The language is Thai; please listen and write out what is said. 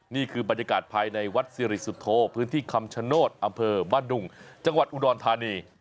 นี่คือบรรยากาศภายในวัดสิริสุทธโธพื้นที่คำชโนธอำเภอบ้านดุงจังหวัดอุดรธานี